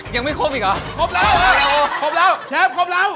ยังไม่ครบอีกเหรอครบแล้วเหรอครบแล้วเชฟครบแล้ว